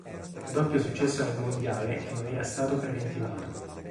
Un doppio successo nel mondiale che non era stato preventivato.